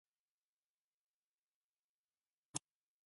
Twenty-nine people served as chairmen over the council's existence.